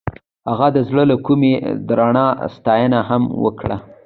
هغې د زړه له کومې د رڼا ستاینه هم وکړه.